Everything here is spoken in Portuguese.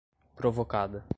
provocada